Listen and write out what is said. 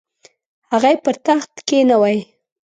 هغه یې پر تخت کښینوي.